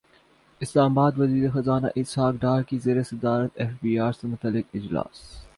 اسلام اباد وزیر خزانہ اسحاق ڈار کی زیر صدارت ایف بی ار سے متعلق اجلاس